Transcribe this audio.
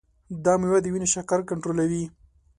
دا مېوه د وینې شکر کنټرولوي.